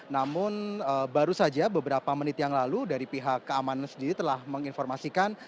namun baru saja beberapa menit yang lalu dari pihak keamanan sendiri telah menginformasikan